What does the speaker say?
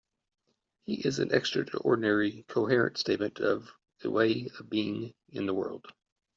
He is an extraordinarily coherent statement of a way of being in the world.